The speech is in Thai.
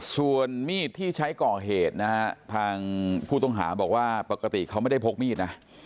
ส่วนมีดที่ใช้ก่อเหตุนะฮะทางผู้ต้องหาบอกว่าปกติเขาไม่ได้พกมีดนะ